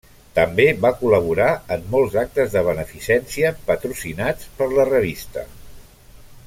També va col·laborar en molts actes de beneficència patrocinats per la revista.